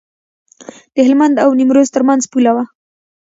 د هلمند او نیمروز ترمنځ پوله وه.